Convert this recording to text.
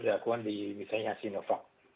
dilakukan di misalnya sinovac